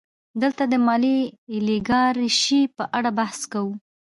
دلته د مالي الیګارشۍ په اړه بحث کوو